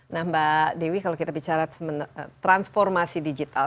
nah mbak dewi kalau kita bicara transformasi digital